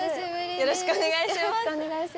よろしくお願いします。